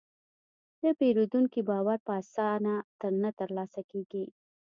د پیرودونکي باور په اسانه نه ترلاسه کېږي.